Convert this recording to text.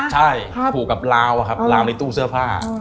ใช่ผูกกับลาวอะครับลาวในตู้เสื้อผ้า